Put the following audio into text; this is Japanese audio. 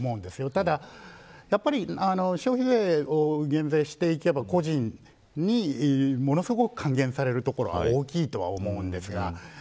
ただ消費税を減税していけば個人にものすごく還元されるところが大きいと思うんです。